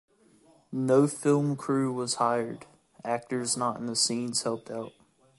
No film crew was hired; actors not in the scenes helped out.